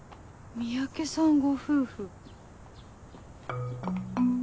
三宅さんご夫婦。